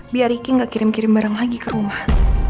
biar ricky gak kirim kirim barang lagi ke rumah